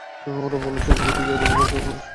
ওরা বলেছিল, দুটিই জাদু, একে অপরকে সমর্থন করে।